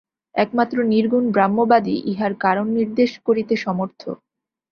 একমাত্র নির্গুণ ব্রহ্মবাদই ইহার কারণ নির্দেশ করিতে সমর্থ।